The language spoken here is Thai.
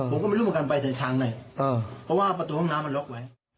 บอกว่าหมายถึงทางไหนเพราะว่าประตูห้องน้ำมันล๊อคไว้